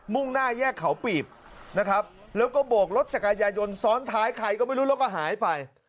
่งหน้าแยกเขาปีบนะครับแล้วก็โบกรถจักรยายนซ้อนท้ายใครก็ไม่รู้แล้วก็หายไป